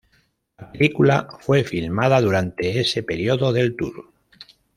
La película fue filmada durante ese periodo del tour.